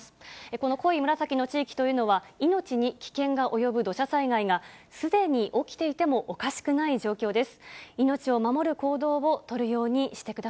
この濃い紫の地域というのは、命に危険が及ぶ土砂災害がすでに起きていてもおかしくない状況です。